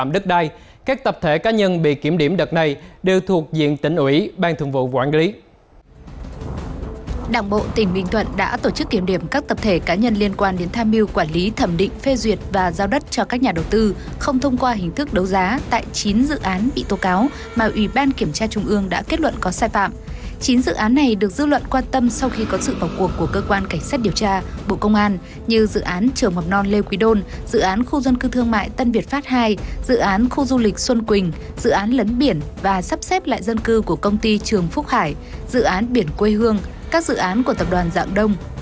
dự án này được dư luận quan tâm sau khi có sự phỏng cuộc của cơ quan cảnh sát điều tra bộ công an như dự án trường mập non lê quý đôn dự án khu dân cư thương mại tân việt pháp ii dự án khu du lịch xuân quỳnh dự án lấn biển và sắp xếp lại dân cư của công ty trường phúc hải dự án biển quê hương các dự án của tập đoàn dạng đông